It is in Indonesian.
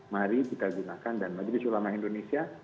mari kita gunakan dan majelis ulama indonesia